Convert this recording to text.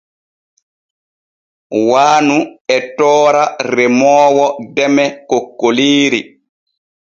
Waanu e toora remoowo deme kokkoliiri.